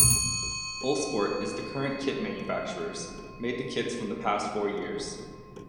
Uhlsport is the current kit manufacturers, made the kits from past four years.